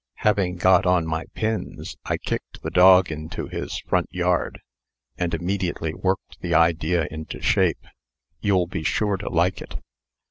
Having got on my pins, I kicked the dog into his front yard, and immediately worked the idea into shape. You'll be sure to like it."